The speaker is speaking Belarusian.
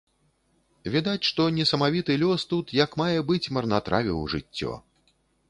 Відаць, што несамавіты лёс тут як мае быць марнатравіў жыццё.